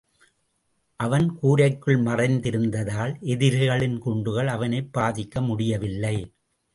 அவன் கூரைக்குள் மறைந்திருந்ததால் எதிரிகளின் குண்டுகள் அவனைப் பாதிக்க முடியவில்லை.